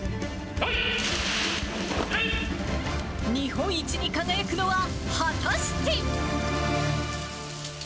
日本一に輝くのは果たして。